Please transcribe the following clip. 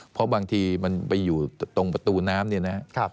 เพราะบางทีมันไปอยู่ตรงประตูน้ำเนี่ยนะครับ